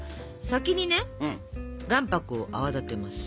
先にね卵白を泡立てます。